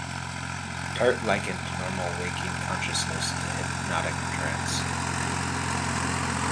Tart likened normal waking consciousness to hypnotic trance.